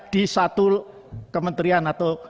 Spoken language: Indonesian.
di satu kementerian atau